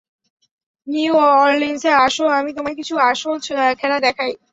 New অরলিন্সে আসো আমি তোমায় কিছু আসল খেলা দেখাই।